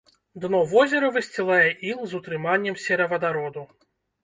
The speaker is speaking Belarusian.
Дно возера высцілае іл з утрыманнем серавадароду.